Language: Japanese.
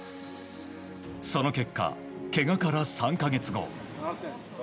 その結果、けがから３か月後。